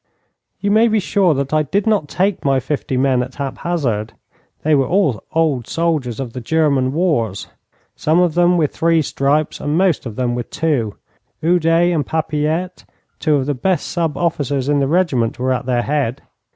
You may be sure that I did not take my fifty men at hap hazard. They were all old soldiers of the German wars, some of them with three stripes, and most of them with two. Oudet and Papilette, two of the best sub officers in the regiment, were at their head.